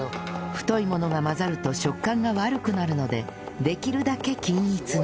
太いものが混ざると食感が悪くなるのでできるだけ均一に